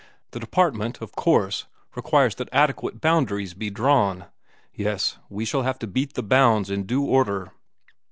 The Department, of course, requires that adequate boundaries be drawn: yes, we shall have to beat the bounds in due order."